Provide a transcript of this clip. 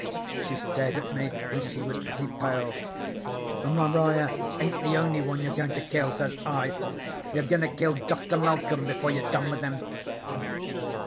"She stared at me and she was pretty pale. "'And Maria ain't the only one you're goin' to kill,' says I. 'You're goin' to kill Doctor Malcom before you're done with him.'